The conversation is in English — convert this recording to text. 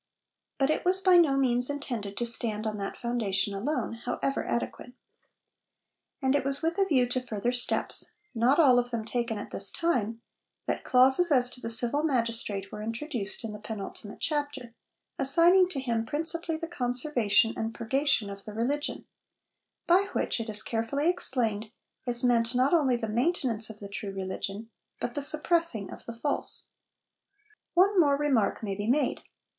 But it was by no means intended to stand on that foundation alone, however adequate. And it was with a view to further steps not all of them taken at this time that clauses as to the civil magistrate were introduced in the penultimate chapter, assigning to him 'principally' the conservation and purgation of the religion by which, it is carefully explained, is meant not only the 'maintenance' of the true religion, but the 'suppressing' of the false. One more remark may be made.